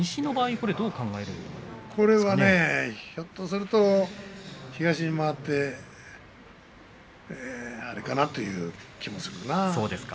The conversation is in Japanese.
これはひょっとすると東に回ってあれかなという気もそうですか。